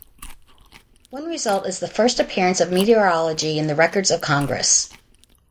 One result is the first appearance of meteorology in the records of Congress.